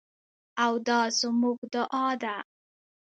او دا زموږ دعا ده.